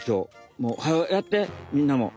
もうはよやってみんなも。